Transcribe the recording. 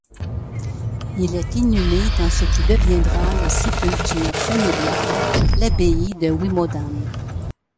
Il est inhumé dans ce qui deviendra la sépulture familiale l'abbaye de Wymodhan.